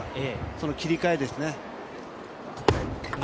その切り替えですね。